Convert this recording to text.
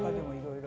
はい！